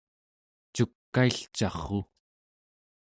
cukailcarru!